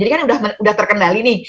jadi kan udah terkendali nih